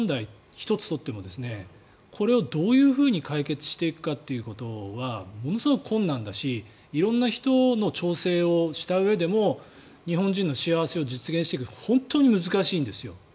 １つ取ってもこれをどういうふうに解決していくかということはものすごい困難だし色んな人の調整をしたうえでも日本人の幸せを実現していく本当に難しいんですよ。